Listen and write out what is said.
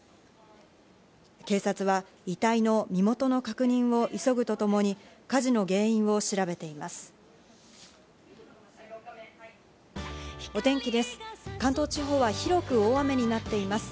警察は遺体の身元の確認を急ぐとともに、火事の原因を調べています。